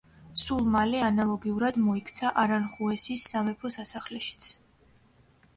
სულ მალე ანალოგიურად მოიქცა არანხუესის სამეფო სასახლეშიც.